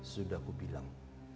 sudah aku bilang